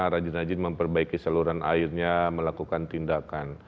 rajin rajin memperbaiki saluran airnya melakukan tindakan